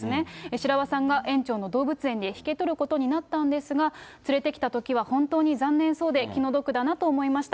白輪さんが、園長の動物園で引き取ることになったんですが、連れてきたときは本当に残念そうで、気の毒だなと思いました。